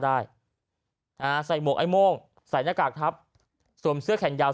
ได้นะฮะใส่หมวกไอ้โม่งใส่หน้ากากทับสวมเสื้อแขนยาว